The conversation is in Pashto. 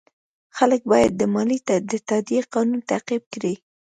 خلک باید د مالیې د تادیې قانون تعقیب کړي.